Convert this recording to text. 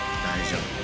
大丈夫。